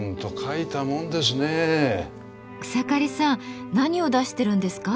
草刈さん何を出してるんですか？